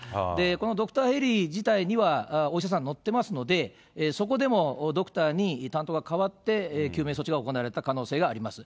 このドクターヘリ自体にはお医者さん乗っていますので、そこでもドクターに担当が変わって救命措置が行われた可能性があります。